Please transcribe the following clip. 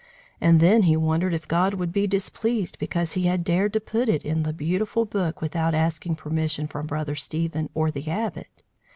And then he wondered if God would be displeased because he had dared to put it in the beautiful book without asking permission from Brother Stephen or the Abbot.